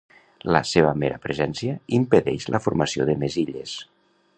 La seva mera presència impedeix la formació de més illes.